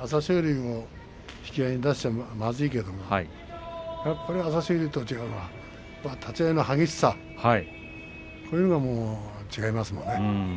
朝青龍を引き合いに出したらまずいかもしれないけど朝青龍と違うのは立ち合いの激しさこういうのは違いますね。